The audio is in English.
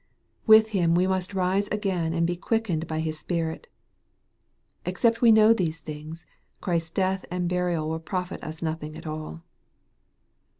With Him we must rise again and be quickened by His Spirit. Except we know these things, Christ's death and burial will profit us nothing at all.